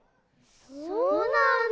そうなんだ。